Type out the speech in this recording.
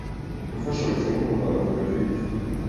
gufasha abakinnyi bo mu Rwanda kujya kwiga.